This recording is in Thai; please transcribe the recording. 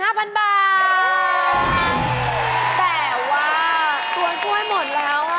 แต่ว่าตัวช่วยหมดแล้ว